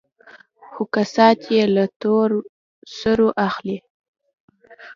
خو كسات يې له تور سرو اخلي.